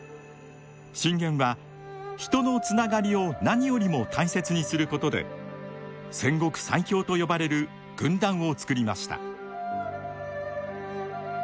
信玄は人のつながりを何よりも大切にすることで戦国最強と呼ばれる軍団を作りました。